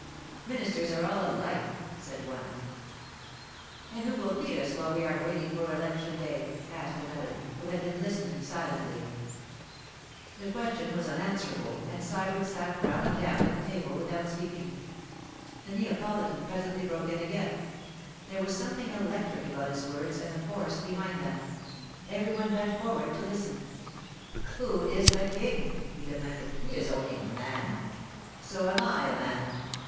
'Ministers are all alike,' said one. 'And who will feed us while we are waiting for election day?' asked another, who had been listening silently. The question was unanswerable, and Sybert sat frowning down at the table without speaking. The Neapolitan presently broke in again. There was something electric about his words and the force behind them. Every one bent forward to listen. 'Who is the King?' he demanded. 'He is only a man. So am I a man.